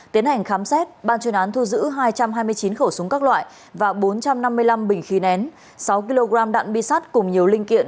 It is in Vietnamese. tiến hành khám xét ban chuyên án thu giữ hai trăm hai mươi chín khẩu súng các loại và bốn trăm năm mươi năm bình khí nén sáu kg đạn bi sắt cùng nhiều linh kiện